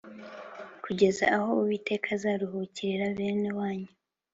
kugeza aho Uwiteka azaruhurira bene wanyu